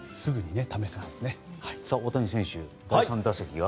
大谷選手、第３打席は？